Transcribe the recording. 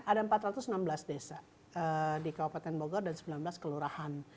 ada empat ratus enam belas desa di kabupaten bogor dan sembilan belas kelurahan